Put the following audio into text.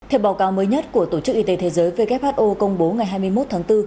theo báo cáo mới nhất của tổ chức y tế thế giới who công bố ngày hai mươi một tháng bốn